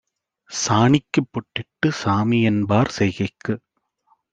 சாணிக்குப் பொட்டிட்டுச் சாமிஎன்பார் செய்கைக்கு